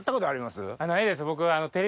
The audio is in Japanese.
ないです僕。